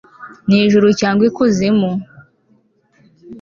ni ijuru cyangwa ikuzimu